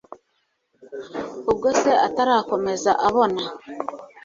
ubwo se atarakomeza abona